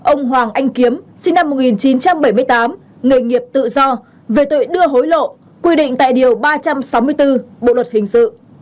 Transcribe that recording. ông hoàng anh kiếm sinh năm một nghìn chín trăm bảy mươi tám nghề nghiệp tự do về tội đưa hối lộ quy định tại điều ba trăm sáu mươi bốn bộ luật hình sự